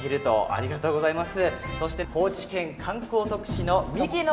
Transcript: ありがとうございます。